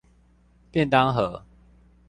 便當盒